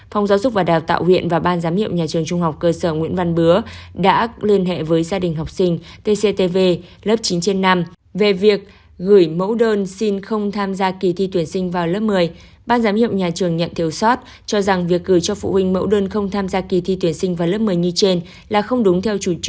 phòng giáo dục và đào tạo huyện và ban giám hiệu nhà trường trung học cơ sở nguyễn văn bứa đã liên hệ với gia đình học sinh tctv lớp chín trên năm về việc gửi mẫu đơn xin không tham gia kỳ thi tuyển sinh vào lớp một mươi